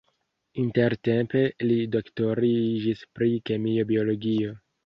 Intertempe li doktoriĝis pri kemio-biologio.